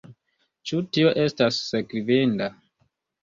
Ĉu tio estas sekvinda?